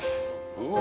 うわ！